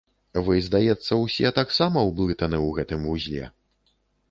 Вы, здаецца, усе таксама ўблытаны ў гэтым вузле.